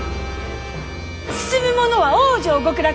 進む者は往生極楽！